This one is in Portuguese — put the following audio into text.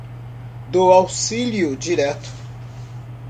Do Auxílio Direto